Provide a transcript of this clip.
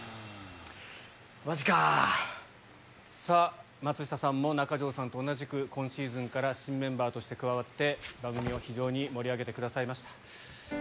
さぁ松下さんも中条さんと同じく今シーズンから新メンバーとして加わって番組を非常に盛り上げてくださいました。